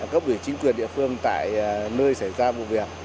cấp ủy chính quyền địa phương tại nơi xảy ra vụ việc